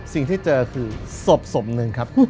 สิ่งที่เจอคือศพหนึ่งครับ